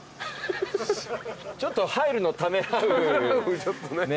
ちょっと入るのためらうねっ。